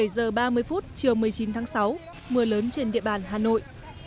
bảy giờ ba mươi phút chiều một mươi chín tháng sáu mưa lớn trên địa bàn hà nội